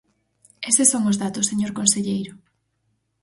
Eses son os datos, señor conselleiro.